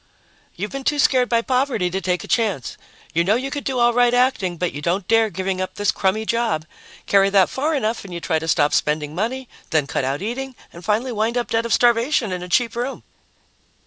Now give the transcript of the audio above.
"You've been too scared by poverty to take a chance. You know you could do all right acting, but you don't dare giving up this crummy job. Carry that far enough and you try to stop spending money, then cut out eating, and finally wind up dead of starvation in a cheap room."